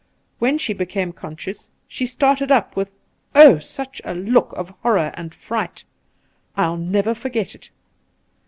When she became conscious she started up with oh ! such a look of horror and fright. I'U never forget it